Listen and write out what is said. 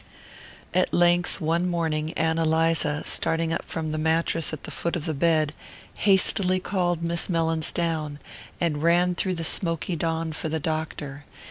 At length one morning Ann Eliza, starting up from the mattress at the foot of the bed, hastily called Miss Mellins down, and ran through the smoky dawn for the doctor.